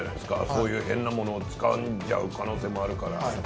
そういう変なものをつかんじゃう可能性もあるから。